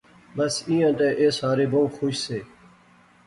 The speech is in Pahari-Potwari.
بس ایہھاں تے ایہہ سارے بہوں خوش سے